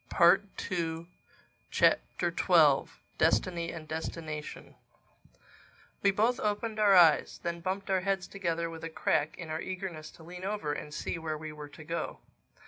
THE TWELFTH CHAPTER DESTINY AND DESTINATION WE both opened our eyes; then bumped our heads together with a crack in our eagerness to lean over and see where we were to go.